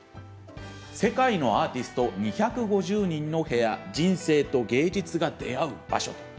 「世界のアーティスト２５０人の部屋人生と芸術が出会う場所」。